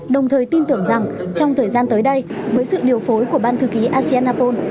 đồng thời tin tưởng rằng trong thời gian tới đây với sự điều phối của ban thư ký asean apol